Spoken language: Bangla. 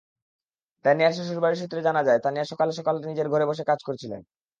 তানিয়ার শ্বশুরবাড়ি সূত্রে জানা যায়, তানিয়া গতকাল সকালে নিজের ঘরে বসে কাজ করছিলেন।